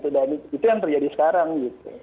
dan itu yang terjadi sekarang